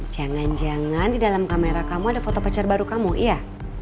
jangan jangan di dalam kamera kamu ada foto pacar baru kamu iya